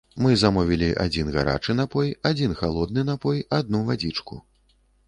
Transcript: Мы замовілі адзін гарачы напой, адзін халодны напой, адну вадзічку.